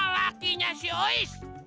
lakinya si ois